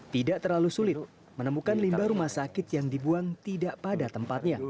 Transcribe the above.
tidak terlalu sulit menemukan limbah rumah sakit yang dibuang tidak pada tempatnya